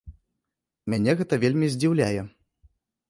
Мяне гэта вельмі здзіўляе.